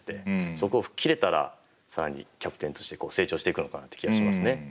そこを吹っ切れたら更にキャプテンとして成長していくのかなって気はしますね。